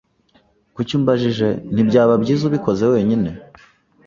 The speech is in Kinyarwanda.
Kuki umbajije? Ntibyaba byiza ubikoze wenyine?